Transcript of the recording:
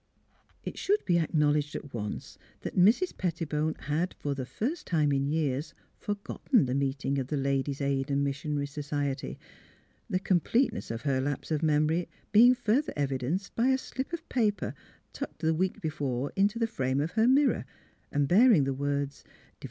It should be acknowledged at once that Mrs. Pettibone had — for the first time in years — for gotten the meeting of the Ladies' Aid and Mis sionary Society, the completeness of her lapse of memory being further evidenced by a slip of paper tucked the week before into the frame of her mirror and bearing the words, " Dev.